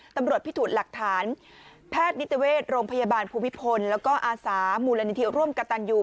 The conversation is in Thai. ตำรวจพิสูจน์หลักฐานแพทย์นิติเวชโรงพยาบาลภูมิพลแล้วก็อาสามูลนิธิร่วมกระตันยู